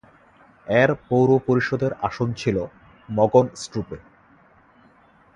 এর পৌর পরিষদের আসন ছিল মগনস্ট্রুপে।